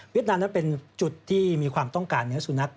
นามนั้นเป็นจุดที่มีความต้องการเนื้อสุนัข